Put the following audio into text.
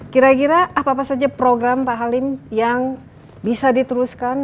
kira kira apa apa saja program pak halim yang bisa diteruskan